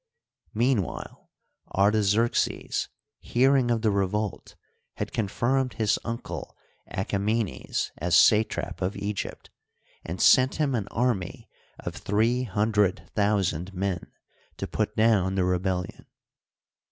Meanwhile Artaxerxes^ bearing of the revolt, had conflrmed his uncle Achaemenes as satrap of Egypt, and sent him an army of three hundred thousand men to put down the rebellion.